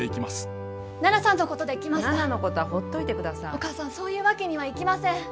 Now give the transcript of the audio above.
お母さんそういうわけにはいきません。